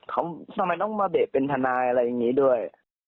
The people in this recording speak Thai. เขาทำไมต้องมาเบะเป็นทนายอะไรอย่างนี้ด้วย